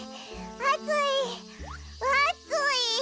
あついあつい。